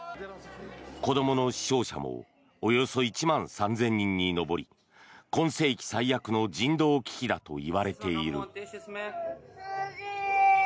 子どもの死傷者もおよそ１万３０００人に上り今世紀最悪の人道危機だといわれている。